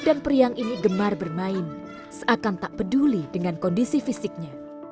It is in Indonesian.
dan priang ini gemar bermain seakan tak peduli dengan kondisi fisiknya